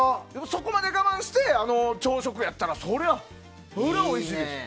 そこまで我慢してあの朝食やったらそりゃ、おいしいですよ。